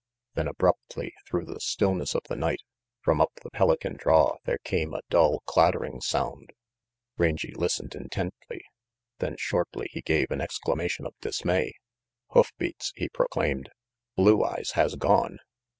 Then abruptly, through the stillness of the night, from up the Pelican draw there came a dull clatter RANGY PETE ing sound. Rangy listened intently; then shortly he gave an exclamation of dismay. "Hoof beats!" he proclaimed. "Blue Eyes has gone!"